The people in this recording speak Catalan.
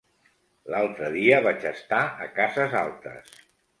L'altre dia vaig estar a Cases Altes.